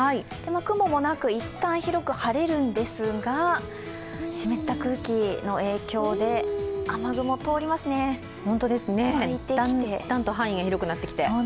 雲もなくいったん広く晴れるんですが、湿った空気の影響で雨雲、通りますね、湧いてきてだんだんと範囲が広くなってきて。